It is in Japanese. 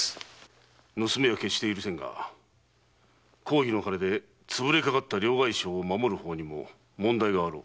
盗みは決して許せぬが公儀の金でつぶれかかった両替商を守る法にも問題があろう。